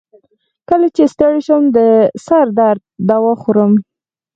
کله چې ستړی شم، د سر درد دوا خورم.